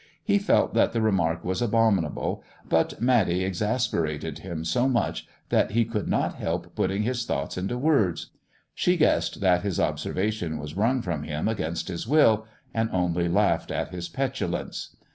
He felt that the remark was abominable; but Matty exasperated him so much that he could not help putting his thoughts into words. She guessed that his observation was wrung from him against his will, and only laughed at his petulance.